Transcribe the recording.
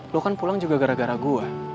lo kan pulang juga gara gara gue